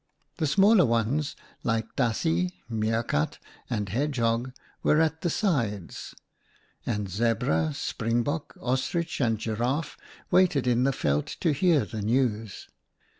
The smaller ones, like Dassie, Mierkat, and Hedgehog, were at the sides ; and Zebra, Springbok, Ostrich and Giraffe waited in the veld to hear the news.